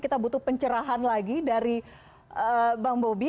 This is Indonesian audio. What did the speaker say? kita butuh pencerahan lagi dari bang bobi